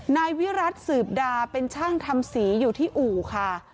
นายวิรัติสืบดาเป็นช่างทำสีอยู่ที่อู่ค่ะ